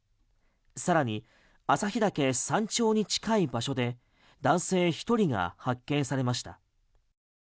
さらに、朝日岳山頂に近い場所で男性１人が発見されました。